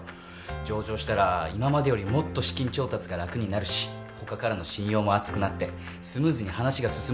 上場したら今までよりもっと資金調達が楽になるし他からの信用も厚くなってスムーズに話が進むと思います。